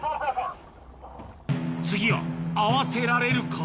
・次は合わせられるか？